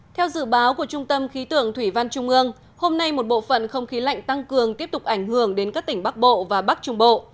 theo dự báo của trung tâm khí tượng thủy văn trung ương hôm nay một bộ phận không khí lạnh tăng cường tiếp tục ảnh hưởng đến các tỉnh bắc bộ và bắc trung bộ